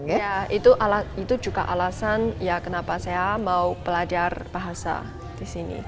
ya itu juga alasan ya kenapa saya mau pelajar bahasa di sini